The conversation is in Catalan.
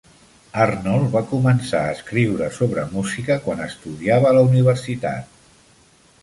Arnold va començar a escriure sobre música quan estudiava a la universitat.